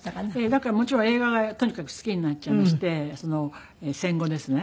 だからもちろん映画がとにかく好きになっちゃいまして戦後ですね。